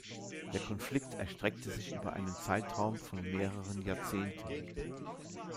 Der Konflikt erstreckte sich über einen Zeitraum von mehreren Jahrzehnten.